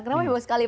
kenapa heboh sekali